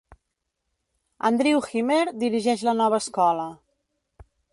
Andrew Hymer dirigeix la nova escola.